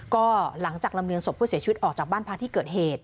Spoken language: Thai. ก็หลังจากลำเลียงศพผู้เสียชีวิตออกจากบ้านพักที่เกิดเหตุ